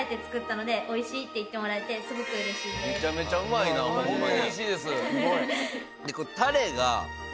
めちゃめちゃうまいなほんまに。